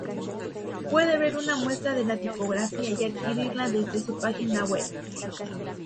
Puede ver una muestra de la tipografía y adquirirla desde su página web.